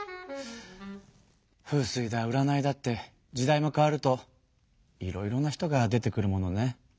風水だ占いだって時代も変わるといろいろな人が出てくるものね。